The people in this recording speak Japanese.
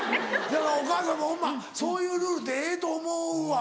だからお母さんもホンマそういうルールってええと思うわ。